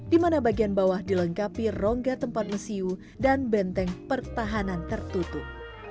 di mana bagian bawah dilengkapi rongga tempat mesiu dan benteng pertahanan tertutup